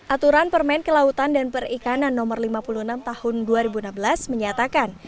aturan permen kelautan dan perikanan no lima puluh enam tahun dua ribu enam belas menyatakan